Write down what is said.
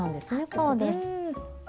そうです。